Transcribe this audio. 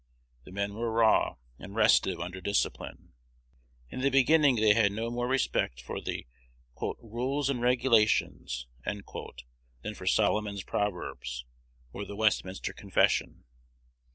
The men were raw, and restive under discipline. In the beginning they had no more respect for the "rules and regulations" than for Solomon's Proverbs, or the Westminster Confession.